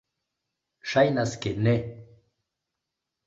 Ŝajnas ke ne.